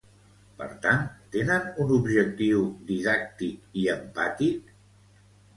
Per tant, tenen un objectiu didàctic i empàtic?